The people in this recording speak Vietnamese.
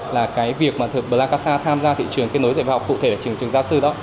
là cái việc mà plakasa tham gia thị trường kết nối dạy và học cụ thể ở trường giáo sư đó